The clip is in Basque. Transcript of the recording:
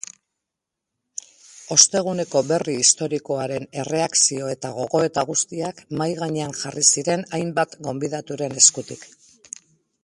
Osteguneko berri historikoaren erreakzio eta gogoeta guztiak mahai-gainean jarri ziren hainbat gonbidaturen eskutik.